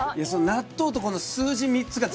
納豆とこの数字３つが。